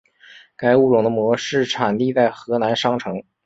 该物种的模式产地在河南商城。